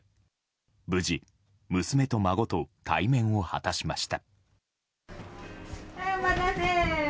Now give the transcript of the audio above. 無事、娘と孫と対面を果たしました。